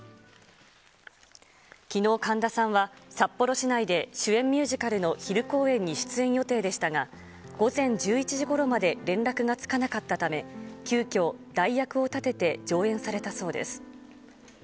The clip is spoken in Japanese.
きのう神田さんは札幌市内で主演ミュージカルの昼公演に出演予定でしたが、午前１１時ごろまで連絡がつかなかったため、急きょ、代役を立てて上演されたそうです。